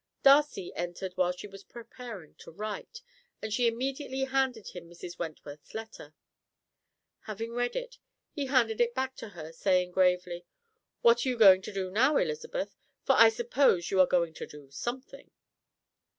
Darcy entered while she was preparing to write, and she immediately handed him Mrs. Wentworth's letter. Having read it, he handed it back to her, saying gravely: "What are you going to do now, Elizabeth? for I suppose you are going to do something."